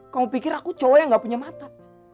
kamu pikir aku cowok yang gak punya mata